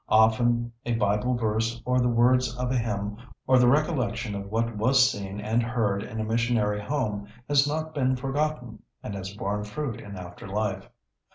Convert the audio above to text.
Often a Bible verse or the words of a hymn, or the recollection of what was seen and heard in a missionary home, has not been forgotten, and has borne fruit in after life.